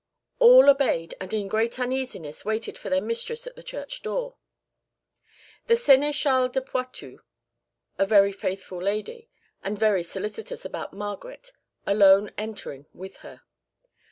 All obeyed and in great uneasiness waited for their mistress at the church door; the Sénéchale de Poitou,(1) a very faithful lady, and very solicitous about Margaret, alone entering with her.